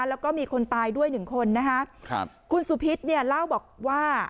แล้วก็มีคนตายด้วยหนึ่งคนนะคะครับคุณสุพิษเนี่ยเล่าบอกว่า